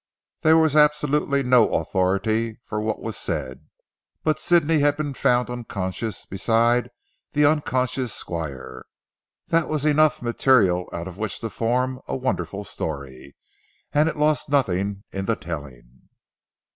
There was absolutely no authority for what was said, but Sidney had been found unconscious beside the unconscious Squire. That was enough material out of which to form a wonderful story, and it lost nothing in the telling.